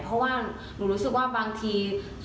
เพราะว่าหนูรู้สึกว่าบางที